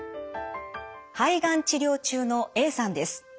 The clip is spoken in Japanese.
肺がん治療中のＡさんです。